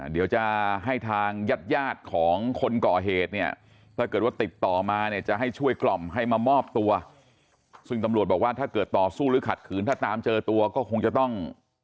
เดี๋ยวจะให้ทางญาติยาดของคนก่อเหตุเนี่ยถ้าเกิดว่าติดต่อมาเนี่ยจะให้ช่วยกล่อมให้มามอบตัวซึ่งตำรวจบอกว่าถ้าเกิดต่อสู้หรือขัดขืนถ้าตามเจอตัวก็คงจะต้อง